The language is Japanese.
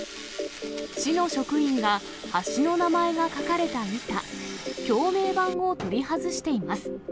市の職員が橋の名前が書かれた板、橋名板を取り外しています。